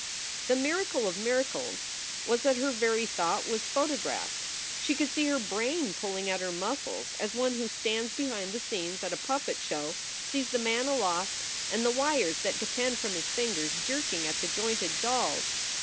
The miracle of miracles was that her very thought was photographed. She could see her brain pulling at her muscles, as one who stands behind the scenes at a puppet show sees the man aloft and the wires that depend from his fingers jerking at the jointed dolls.